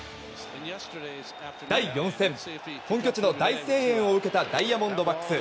第４戦、本拠地の大声援を受けたダイヤモンドバックス。